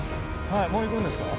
はいもう行くんですか？